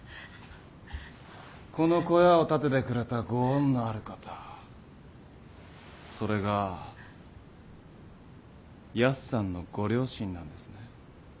この小屋を建ててくれたご恩のある方それがヤスさんのご両親なんですね？